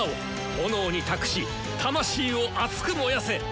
炎に託し魂を熱く燃やせ！